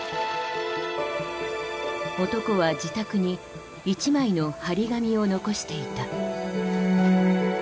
男は自宅に一枚の貼り紙を残していた。